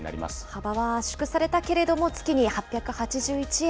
幅は圧縮されたけれども、月に８８１円